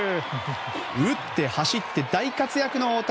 打って、走って、大活躍の大谷。